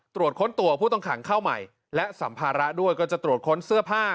ตรวจค้นตัวผู้ต้องขังเข้าใหม่และสัมภาระด้วยก็จะตรวจค้นเสื้อผ้า